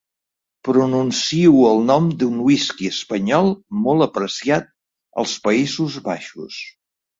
Pronuncio el nom d'un whisky espanyol molt apreciat als Països Baixos.